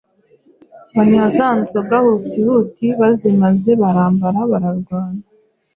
banywa za nzoga hutihuti, bazimaze barambara, bararwana.